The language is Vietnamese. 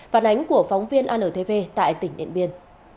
phản ánh của phóng viên antv tại tỉnh điện biên